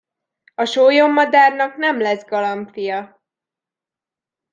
A sólyommadárnak nem lesz galamb fia.